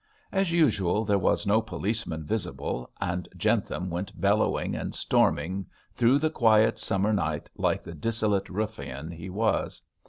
As usual, there was no policeman visible, and Jentham went bellowing and storming through the quiet summer night like the dissolute ruffian he was.